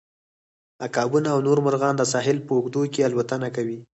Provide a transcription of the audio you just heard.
عقابونه او نور مرغان د ساحل په اوږدو کې الوتنه کوي